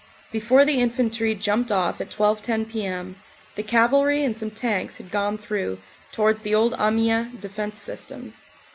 Before the infantry jumped off at 12.10 p.m., the cavalry and some tanks had gone through, towards the old Amiens defense system.